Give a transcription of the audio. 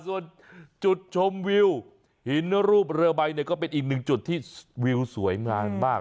ส่วนจุดชมวิวหินรูปเรือใบก็เป็นอื่นจุดที่วิวสวยมาก